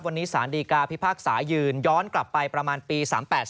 วันนี้สารดีกาพิพากษายืนย้อนกลับไปประมาณปี๓๘๔